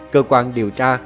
cơ quan điều tra